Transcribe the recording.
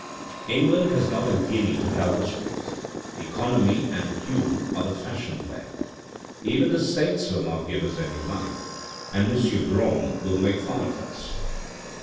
England has not a guinea to help us with ; economy and Hume are the fashion there. Even the saints will not give us any money, and M. Brougham will make fun of us.